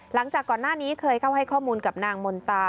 หลังจากก่อนหน้านี้เคยเข้าให้ข้อมูลกับนางมนตา